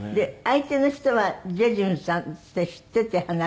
相手の人はジェジュンさんって知ってて話してる？